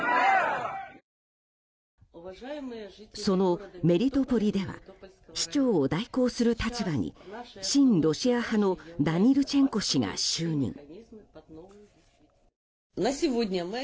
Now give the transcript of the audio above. そのメリトポリでは市長を代行する立場に親ロシア派のダニルチェンコ氏が就任。